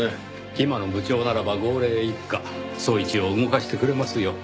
今の部長ならば号令一下捜一を動かしてくれますよ。